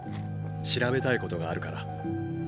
調べたいことがあるから。